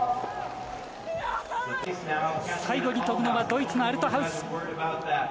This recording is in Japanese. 最後に飛ぶのはドイツのアルトハウス。